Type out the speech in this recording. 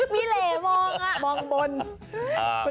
มีเหล่มองอ่ะ